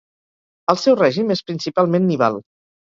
El seu règim és principalment nival.